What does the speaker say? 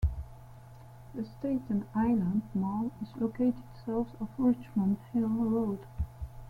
The Staten Island Mall is located south of Richmond Hill Road.